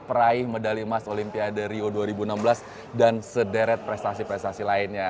peraih medali emas olimpiade rio dua ribu enam belas dan sederet prestasi prestasi lainnya